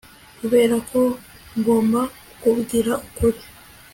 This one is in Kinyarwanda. Kubera ko ngomba kukubwira ukuri